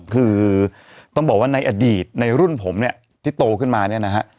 คือต้องบอกว่าในอดีตในรุ่นผมเนี่ยที่โตขึ้นมาเนี่ยนะฮะ